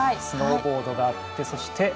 スノーボードがあってそして